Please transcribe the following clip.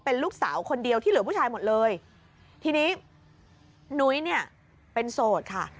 เป็นลูกสาวคนเดียวที่เหลือผู้ชายหมดเลยทีนี้นุ้ยเนี่ยเป็นโสดค่ะ